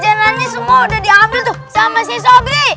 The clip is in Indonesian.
jajanan semua udah diambil sama si sobri